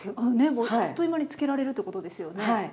あっという間に漬けられるってことですよね。